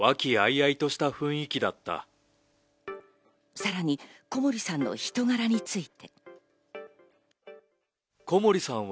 さらに小森さんの人柄について。